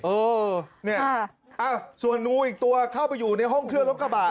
เออเนี่ยส่วนงูอีกตัวเข้าไปอยู่ในห้องเครื่องรถกระบะ